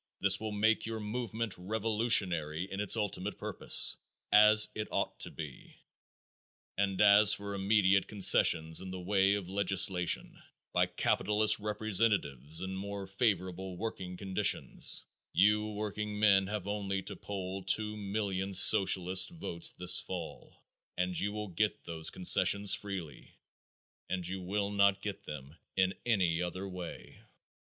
This will make your movement revolutionary in its ultimate purpose, as it ought to be, and as for immediate concessions in the way of legislation by capitalist representatives and more favorable working conditions, you workingmen have only to poll two million Socialist votes this fall, and you will get those concessions freely and you will not get them in any other way.